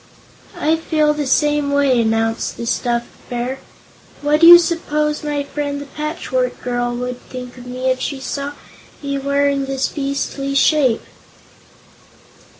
"I feel the same way," announced the stuffed Bear. "What do you suppose my friend the Patchwork Girl would think of me, if she saw me wearing this beastly shape?"